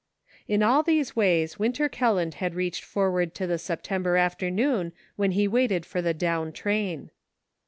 In all these ways Winter Kelland had reached forward to the September afternoon when he waited for the down train.